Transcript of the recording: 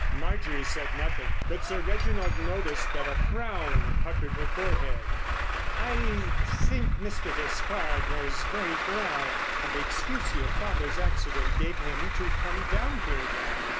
Marjorie said nothing, but Sir Reginald noticed that a frown puckered her forehead. "I think Mr. Despard was very glad of the excuse your father's accident gave him to come down here again."